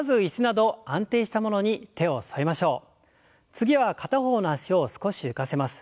次は片方の脚を少し浮かせます。